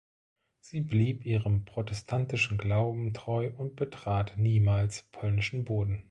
Sie blieb ihrem protestantischen Glauben treu und betrat niemals polnischen Boden.